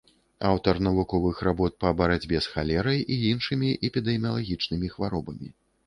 Аўтар навуковых работ па барацьбе з халерай і іншымі эпідэміялагічнымі хваробамі.